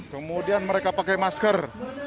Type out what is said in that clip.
kemudian mereka pakai masker